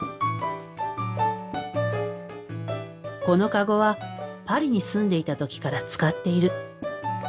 このかごはパリに住んでいた時から使っている。